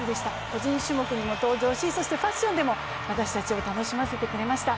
個人種目でも登場しファッションでも私たちを楽しませてくれました。